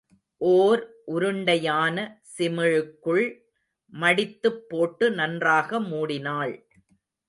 ஓர் உருண்டையான சிமிழுக்குள் மடித்துப் போட்டு நன்றாக மூடினாள்.